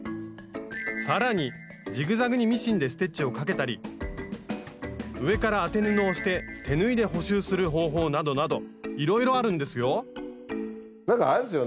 更にジグザグにミシンでステッチをかけたり上から当て布をして手縫いで補修する方法などなどいろいろあるんですよなんかあれですよね